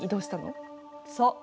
そう。